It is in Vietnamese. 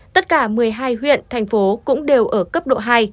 tất cả một mươi hai huyện thành phố cũng đều ở cấp độ hai